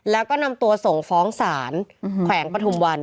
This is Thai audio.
แล้วก็นำตัวส่งฟ้องศาลแขวงปฐุมวัน